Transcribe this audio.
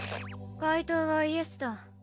回答はイエスだ。